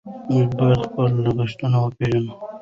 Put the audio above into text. موږ باید خپل لګښتونه وپېژنو.